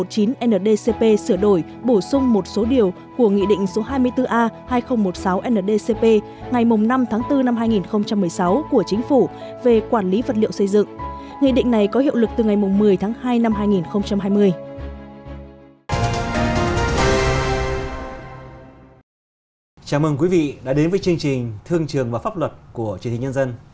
chào mừng quý vị đã đến với chương trình thương trường và pháp pháp